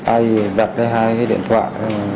ai gì đặt hai cái điện thoại